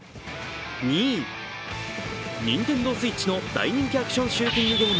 ＮｉｎｔｅｎｄｏＳｗｉｔｃｈの大人気アクションシューティングゲーム